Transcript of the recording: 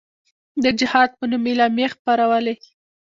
د جهاد په نوم اعلامیې خپرولې.